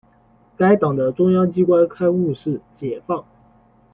该党的中央机关刊物是《解放》。